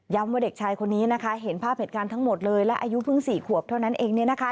ว่าเด็กชายคนนี้นะคะเห็นภาพเหตุการณ์ทั้งหมดเลยและอายุเพิ่ง๔ขวบเท่านั้นเองเนี่ยนะคะ